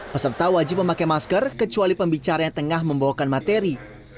peserta wajib memakai masker kecuali pembicara yang tengah membawakan materi